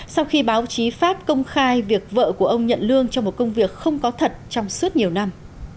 sau khi báo chí pháp công khai việc vợ của ông nhận lương cho một công việc không có thật trong suốt nhiều năm